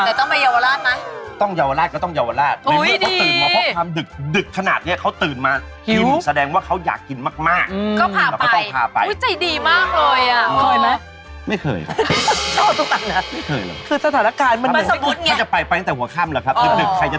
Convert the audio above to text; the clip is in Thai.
เออมันน่ารักค่ะค่ะค่ะค่ะค่ะค่ะค่ะค่ะค่ะค่ะค่ะค่ะค่ะค่ะค่ะค่ะค่ะค่ะค่ะค่ะค่ะค่ะค่ะค่ะค่ะค่ะค่ะค่ะค่ะค่ะค่ะค่ะค่ะค่ะค่ะ